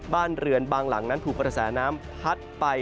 บ้านเรือนบางหลังนั้นถูกกระแสน้ำพัดไป